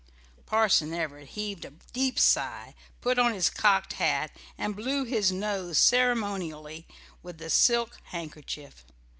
Parson Everett heaved a deep sigh, put on his cocked hat, and blew his nose ceremonially with the silk handkerchief.